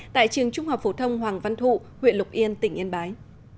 tại trường trung học phổ thông hoàng văn thụ huyện lục yên tỉnh yên bái